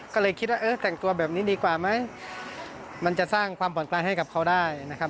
ก็เลยคิดว่าเออแต่งตัวแบบนี้ดีกว่าไหมมันจะสร้างความผ่อนคลายให้กับเขาได้นะครับ